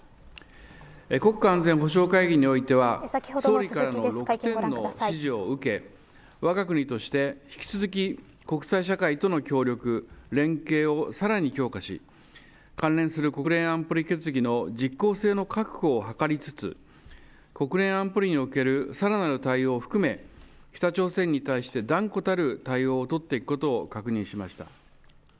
国家安全保障会議においてはわが国として、引き続き国際社会との協力連携をさらに強化し関連する国連安保理決議の実効性の確保を図りつつ国連安保理におけるさらなる対応を含め北朝鮮に対して断固たる対応を取っていくことを確認しました。